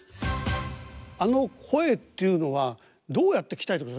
あの声っていうのはどうやって鍛えていくんですか？